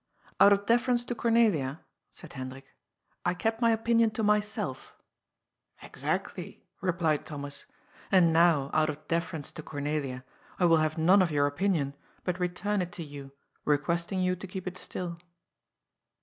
" Out of deference to Cornelia," said Hendrik, " I kept my opinion to myself "" Exactly," replied Thomas. " And now, out of defer ence to Cornelia, I will have none of your opinion, but re turn it to you, requesting you to keep it still."